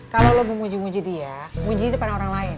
kalau lo mau muji muji dia muji di depan orang lain